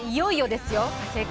そしていよいよですよ